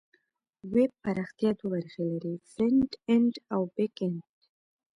ویب پراختیا دوه برخې لري: فرنټ اینډ او بیک اینډ.